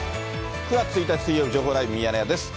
９月１日水曜日、情報ライブミヤネ屋です。